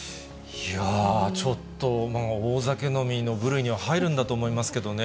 いやぁ、ちょっと大酒飲みの部類には入るんだと思うんですけどね。